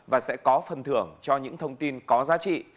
và sẽ có phần thưởng cho những thông tin có giá trị